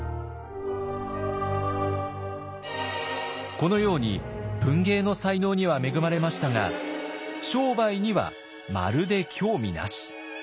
このように文芸の才能には恵まれましたが商売にはまるで興味なし。